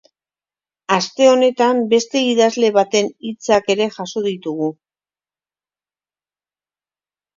Aste honetan beste idazle baten hitzak ere jaso ditugu.